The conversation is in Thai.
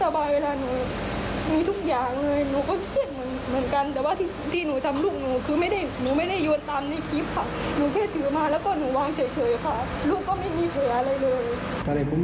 แต่ว่าคือน้องอยากให้พ่อของลูกมารับผิดโชคบ้างไม่ใช่ให้หนูรับผิดโชคอยู่คนเดียว